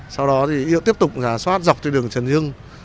sau đó thì tiếp tục giả soát dọc trên đường trần hưng